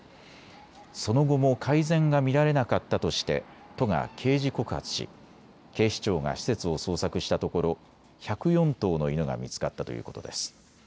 その後も改善が見られなかったとして都が刑事告発し警視庁が施設を捜索したところ１０４頭の犬が見つかったということです。